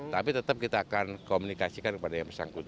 tapi tetap kita akan komunikasikan kepada yang bersangkutan